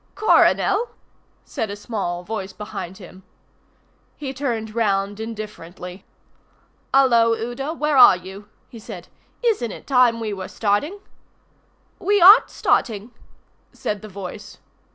"Coronel!" said a small voice behind him. He turned round indifferently. "Hullo, Udo, where are you?" he said. "Isn't it time we were starting?" "We aren't starting," said the voice.